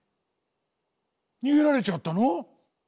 にげられちゃったの？